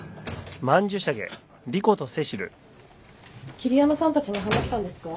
桐山さんたちに話したんですか？